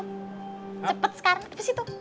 cepet sekarang hadap situ